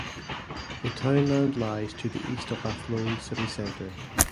The townland lies to the east of Athlone City Centre.